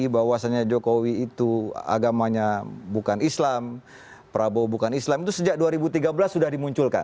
bahwasannya jokowi itu agamanya bukan islam prabowo bukan islam itu sejak dua ribu tiga belas sudah dimunculkan